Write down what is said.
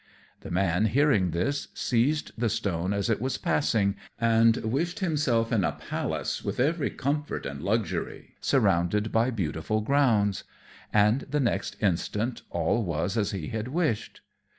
The man, hearing this, seized the stone as it was passing, and wished himself in a palace with every comfort and luxury, surrounded by beautiful grounds; and the next instant all was as he had wished.